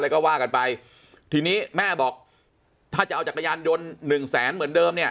ก็ว่ากันไปทีนี้แม่บอกถ้าจะเอาจักรยานยนต์หนึ่งแสนเหมือนเดิมเนี่ย